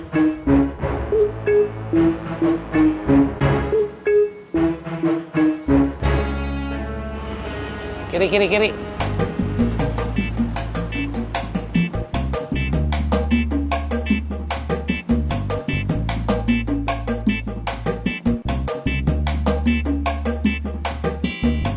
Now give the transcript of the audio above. saya akan mengundurkan kekuatan